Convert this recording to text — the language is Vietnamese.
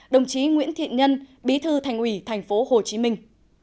đồng chí nguyễn thiện nhân bí thư thành ủy thành phố hồ chí minh